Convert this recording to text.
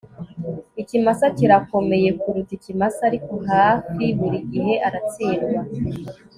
Ikimasa kirakomeye kuruta ikimasa ariko hafi buri gihe aratsindwa